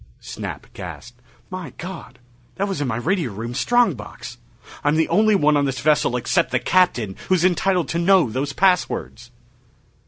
Snap gasped, "My God, that was in my radio room strong box! I'm the only one on this vessel except the Captain who's entitled to know those passwords!"